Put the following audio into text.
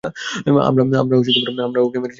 আমরা ওকে মেরেছি।